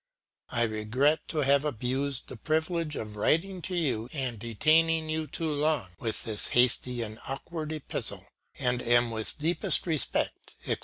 I regret to have abused the privilege of writing to you in detaining you too long with this hasty and awkward epistle, and am with deepest respect, &c.